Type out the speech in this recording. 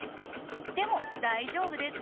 でも大丈夫です。